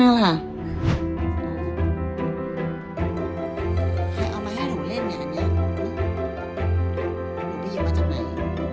เอามาให้หนูเล่นเนี่ยอันนี้หนูได้ยินมาจากไหน